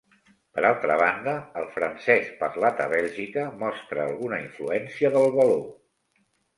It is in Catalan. Per altra banda, el francès parlat a Bèlgica mostra alguna influència del való.